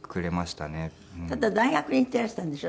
ただ大学に行っていらしたんでしょ？